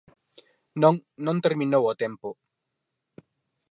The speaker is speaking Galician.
Non, non terminou o tempo.